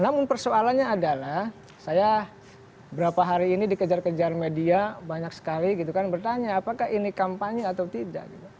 namun persoalannya adalah saya berapa hari ini dikejar kejar media banyak sekali gitu kan bertanya apakah ini kampanye atau tidak